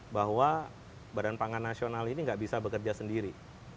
bahwa badan pangan nasional ini nggak bisa bekerja sendiri